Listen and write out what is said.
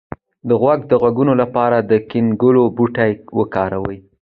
د غوږ د غږونو لپاره د ګینکګو بوټی وکاروئ